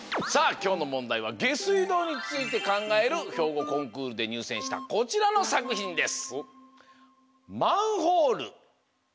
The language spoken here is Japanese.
きょうのもんだいはげすいどうについてかんがえるひょうごコンクールでにゅうせんしたこちらのさくひんです。